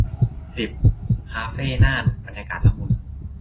สิบ คาเฟ่น่าน บรรยากาศละมุน